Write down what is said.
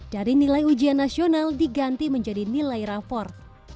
dari nilai ujian nasional diganti menjadi nilai rapor